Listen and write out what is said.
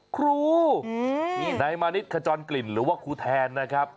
ครูนี่นายมานิดขจรกลิ่นหรือว่าครูแทนนะครับ